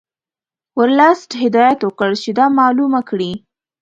ورلسټ هدایت ورکړ چې دا معلومه کړي.